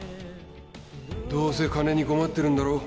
どうせ金に困ってるんだろう？